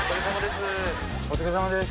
お疲れさまです。